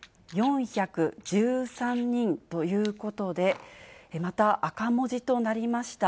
２４１３人ということで、また赤文字となりました。